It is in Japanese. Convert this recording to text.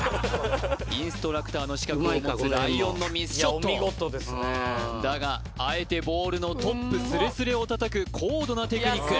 インストラクターの資格を持つライオンのミスショットだがあえてボールのトップスレスレを叩く高度なテクニック